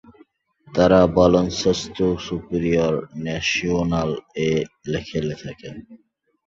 তারা Baloncesto Superior ন্যাশিওনাল-এ খেলে থাকে।